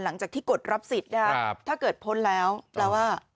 หลังจากที่กฎรับสิทธิ์ถ้าเกิดพ้นแล้วเราว่า